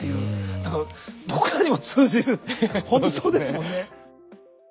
何か僕らにも通じるほんとそうですもんね。